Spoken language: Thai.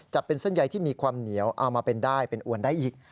จะเป็นเส้นใยที่มีความเหนียวเอามาเป็นได้เป็นอวนได้อีก